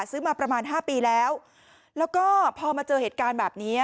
ซื้อมาประมาณห้าปีแล้วแล้วก็พอมาเจอเหตุการณ์แบบนี้